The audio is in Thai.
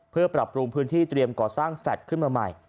เพื่อปรับปรุงพื้นที่เตรียมก่อสร้างแฟลตขึ้นมาใหม่